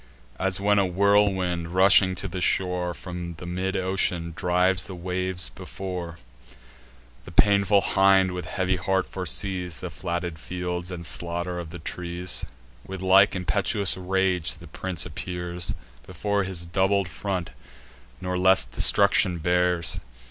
As when a whirlwind, rushing to the shore From the mid ocean, drives the waves before; The painful hind with heavy heart foresees The flatted fields, and slaughter of the trees; With like impetuous rage the prince appears Before his doubled front, nor less destruction bears.